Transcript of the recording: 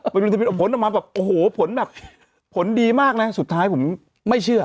มันจะเป็นผลออกมาแบบโอ้โหผลแบบผลดีมากนะสุดท้ายผมไม่เชื่อ